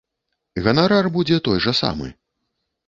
Ганарар будзе той жа самы.